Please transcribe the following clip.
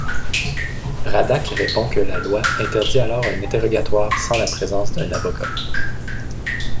Radack répond que la loi interdit alors un interrogatoire sans la présence d'un avocat.